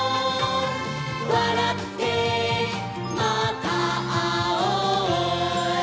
「わらってまたあおう」